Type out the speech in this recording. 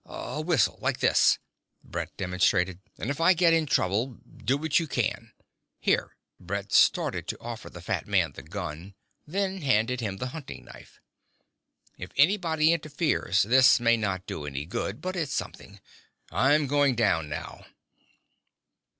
A whistle ... like this " Brett demonstrated. "And if I get in trouble, do what you can. Here ..." Brett started to offer the fat man the gun, then handed him the hunting knife. "If anybody interferes, this may not do any good, but it's something. I'm going down now."